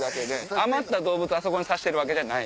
余った動物をあそこに差してるわけじゃない。